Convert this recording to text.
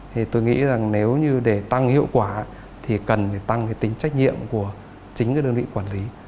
thì tôi nghĩ rằng nếu như để tăng hiệu quả thì cần phải tăng cái tính trách nhiệm của chính cái đơn vị quản lý